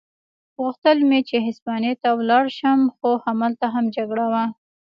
غوښتل مې چې هسپانیې ته ولاړ شم، خو همالته هم جګړه وه.